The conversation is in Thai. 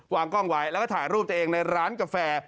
กล้องไว้แล้วก็ถ่ายรูปตัวเองในร้านกาแฟ